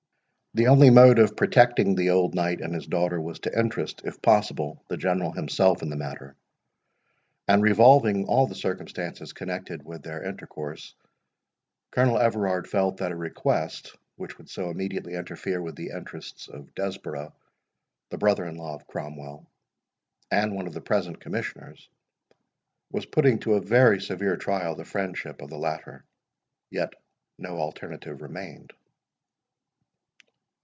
The only mode of protecting the old knight and his daughter, was to interest, if possible, the General himself in the matter; and revolving all the circumstances connected with their intercourse, Colonel Everard felt that a request, which would so immediately interfere with the interests of Desborough, the brother in law of Cromwell, and one of the present Commissioners, was putting to a very severe trial the friendship of the latter. Yet no alternative remained.